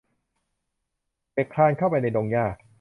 เด็กคลานเข้าไปในดงหญ้า